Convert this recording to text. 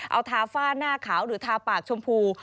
เอาทาฝ้าหน้าขาวหรือทาปากชมพู